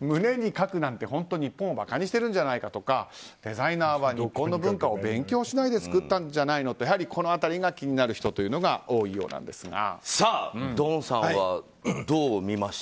胸に書くなんて本当に日本を馬鹿にしてるんじゃないかとかデザイナーは日本の文化を勉強しないで作ったんじゃないの？とこの辺りが気になる人がドンさんは、どう見ました？